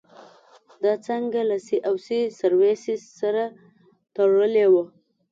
دا څانګه له سي او سي سرویسس سره تړلې وه.